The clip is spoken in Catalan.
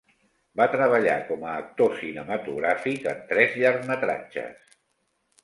Va treballar com a actor cinematogràfic en tres llargmetratges.